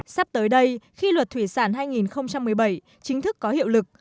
sắp tới đây khi luật thủy sản hai nghìn một mươi bảy chính thức có hiệu lực